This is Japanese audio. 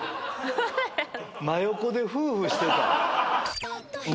真横でフフしてた。